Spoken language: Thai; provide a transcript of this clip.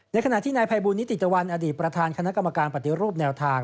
ขณะที่นายภัยบูลนิติตะวันอดีตประธานคณะกรรมการปฏิรูปแนวทาง